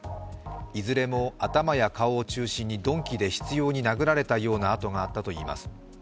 いずれも頭や顔を中心に鈍器で執ように殴られたようなあとがあったといいます。